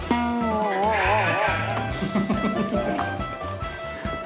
เพราะว่า